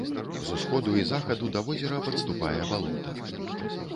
З усходу і захаду да возера падступае балота.